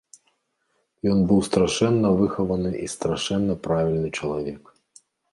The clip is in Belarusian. Ён быў страшэнна выхаваны і страшэнна правільны чалавек.